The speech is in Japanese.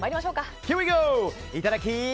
いただき！